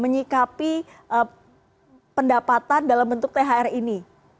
menyikapi pendapatan dalam bentuk thr ini